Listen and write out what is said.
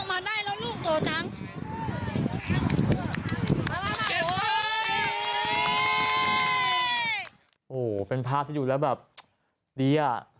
มีคนอยู่อ่ะดิ